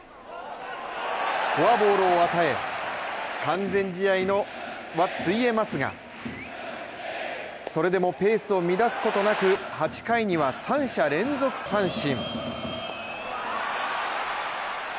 フォアボールを与え、完全試合の夢は潰えますがそれでもペースを乱すことなく８回には３者連続三振。